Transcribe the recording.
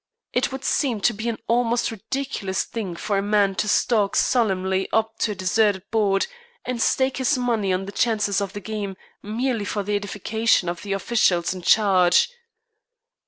It would seem to be an almost ridiculous thing for a man to stalk solemnly up to a deserted board and stake his money on the chances of the game merely for the edification of the officials in charge.